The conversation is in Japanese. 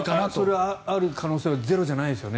それはある可能性はゼロじゃないですよね。